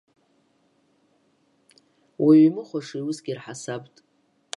Уаҩы имыхәаша иусгьы рҳасабт.